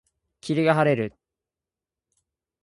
霧が晴れる。